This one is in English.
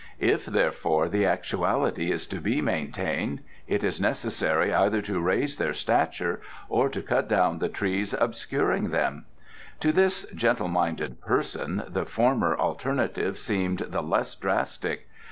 If, therefore, the actuality is to be maintained, it is necessary either to raise their stature or to cut down the trees obscuring them. To this gentle minded person the former alternative seemed the less drastic.